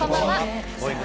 Ｇｏｉｎｇ！